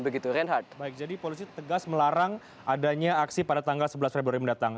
baik jadi polisi tegas melarang adanya aksi pada tanggal sebelas februari mendatang